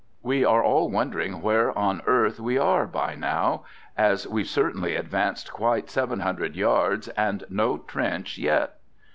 We are all wondering where on earth we are by now, as we've certainly advanced quite seven hundred yards, and no trench yet!